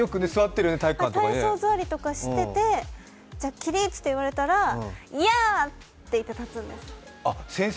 体操座りとかしてて、起立って言われたら、ヤー！って言って立つんです。